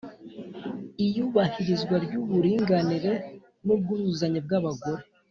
Iyubahirizwa ry uburinganire n ubwuzuzanye bw abagore